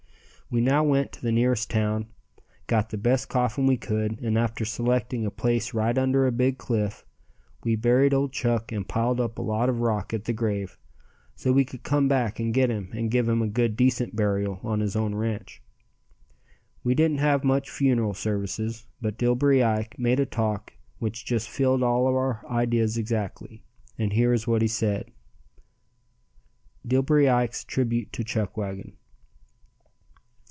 We now went to the nearest town, got the best coffin we could and after selecting a place right under a big cliff, we buried old Chuck and piled up a lot of rock at the grave so we could come back and get him and give him a good decent burial on his own ranch. We didn't have much funeral services, but Dillbery Ike made a talk which just filled all our ideas exactly, and here is what he said: DILLBERY IKE'S TRIBUTE TO CHUCKWAGON.